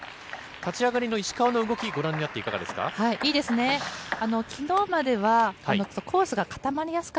立ち上がりの石川の動き、ご覧になっていかがですか？